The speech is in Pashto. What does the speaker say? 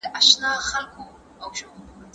نړیوالي مرستي د بشري حقونو له رعایتولو سره تړل کیږي.